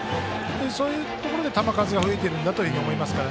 そういうところで球数が増えているんだと思います。